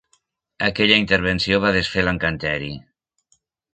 Aquella intervenció va desfer l'encanteri.